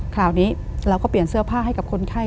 คราวนี้เราก็เปลี่ยนเสื้อผ้าให้กับคนไข้